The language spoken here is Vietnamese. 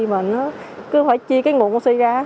mà nó cứ phải chia cái nguồn oxy ra